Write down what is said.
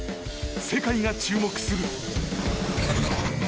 世界が注目する。